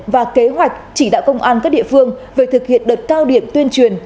và kế hoạch chỉ đạo công an các địa phương về thực hiện đợt cao điểm tuyên truyền